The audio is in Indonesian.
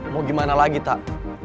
mau gimana lagi tak